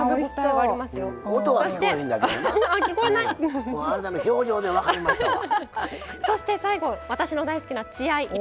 あなたの表情で分かりました。